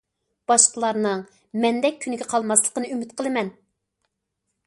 باشقىلارنىڭ مەندەك كۈنگە قالماسلىقىنى ئۈمىد قىلىمەن!